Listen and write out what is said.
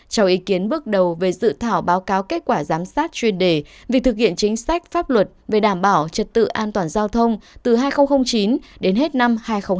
cho ý kiến bước đầu về dự thảo báo cáo kết quả giám sát chuyên đề việc thực hiện chính sách pháp luật về đảm bảo trật tự an toàn giao thông từ hai nghìn chín đến hết năm hai nghìn hai mươi